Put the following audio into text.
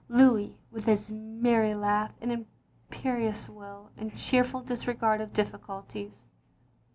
Louis with his merry laugh, and imperious will, and cheerful disregard of difficulties.